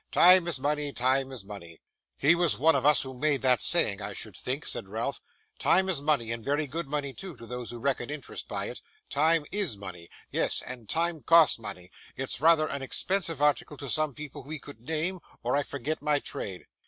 Time is money, time is money.' 'He was one of us who made that saying, I should think,' said Ralph. 'Time is money, and very good money too, to those who reckon interest by it. Time IS money! Yes, and time costs money; it's rather an expensive article to some people we could name, or I forget my trade.